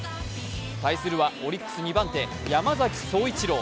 対するはオリックス２番手山崎颯一郎。